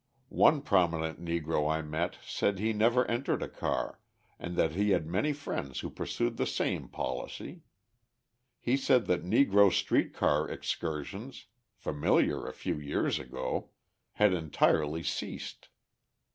One prominent Negro I met said he never entered a car, and that he had many friends who pursued the same policy; he said that Negro street car excursions, familiar a few years ago, had entirely ceased.